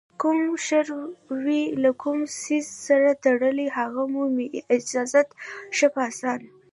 کوم شر وي له کوم څیز سره تړلی، هغه مومي اجازت ښه په اسانه